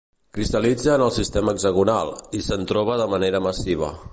Cristal·litza en el sistema hexagonal, i se'n troba de manera massiva.